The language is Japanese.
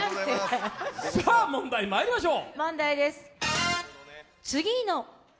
さあ、問題まいりましょう。